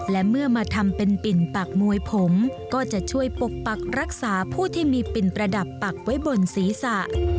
และเมื่อมาทำเป็นปิ่นปักมวยผมก็จะช่วยปกปักรักษาผู้ที่มีปิ่นประดับปักไว้บนศีรษะ